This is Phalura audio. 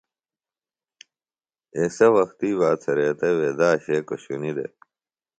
ایسےۡ وختی بہ اڅھریتہ وے داشے کوۡشنیۡ دےۡ